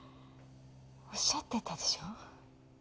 おっしゃってたでしょう？